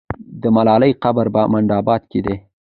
د ملالۍ قبر په منډآباد کې دی.